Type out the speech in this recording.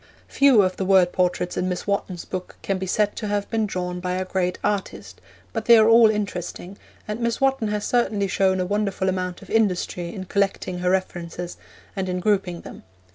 Few of the word portraits in Miss Wotton's book can be said to have been drawn by a great artist, but they are all interesting, and Miss Wotton has certainly shown a wonderful amount of industry in collecting her references and in grouping them.